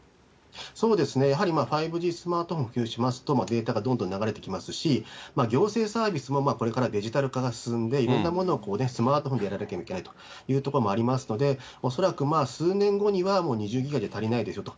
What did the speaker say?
そうですね、やはり５Ｇスマートフォンが普及しますと、データがどんどん流れてきますし、行政サービスもこれからデジタル化が進んで、いろんなものをスマートフォンでやらなきゃいけないというところもありますので、恐らく、数年後にはもう２０ギガじゃ足りないでしょと。